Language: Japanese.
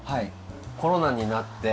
コロナになって。